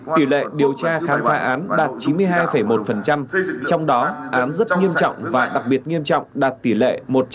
tỷ lệ điều tra khám phá án đạt chín mươi hai một trong đó án rất nghiêm trọng và đặc biệt nghiêm trọng đạt tỷ lệ một tám